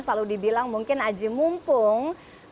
selalu dibilang mungkin aji mumpung